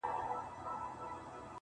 اوس به كومه تورپېكۍ پر بولدك ورسي!.